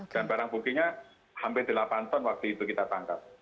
dan barang bukinya sampai delapan ton waktu itu kita tangkap